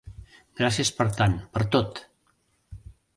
Gràcies per tant, per tot!